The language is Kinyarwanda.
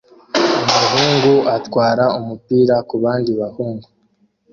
Umuhungu atwara umupira kubandi bahungu